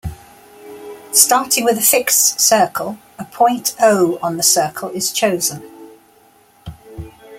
Starting with a fixed circle, a point O on the circle is chosen.